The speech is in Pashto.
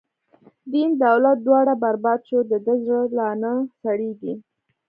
دین دولت دواړه بر باد شو، د ده زړه لا نه سړیږی